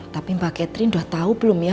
tapi mbak catherine udah tau belum ya